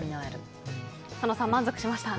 佐野さん、満足しました？